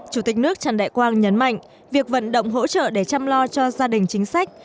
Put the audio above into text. chủ tịch nước trần đại quang nhấn mạnh việc vận động hỗ trợ để chăm lo cho gia đình chính sách